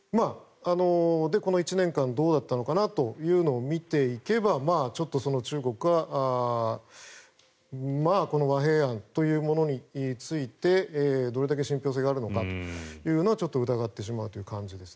この１年間、どうだったのかなというのを見ていけばちょっと中国はこの和平案というものについてどれだけ信ぴょう性があるのかというのは疑ってしまう感じです。